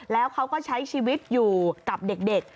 แล้วเขาก็ใช้ชีวิตอยู่กับเด็ก